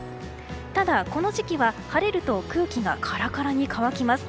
ただ、この時期は晴れると空気がカラカラに乾きます。